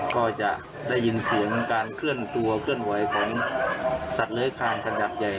ก็จะได้ยินเสียงการเคลื่อนตัวเคลื่อนไหวของสัตว์เลื้อยคานขนาดใหญ่